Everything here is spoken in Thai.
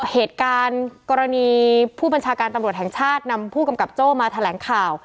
เหตุการณ์กรณีผู้บัญชาการตำรวจแห่งชาตินำผู้กำกับโจ้มาแถลงข่าว